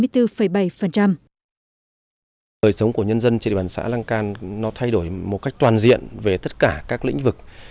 thời sống của nhân dân trên địa bàn xã lăng can nó thay đổi một cách toàn diện về tất cả các lĩnh vực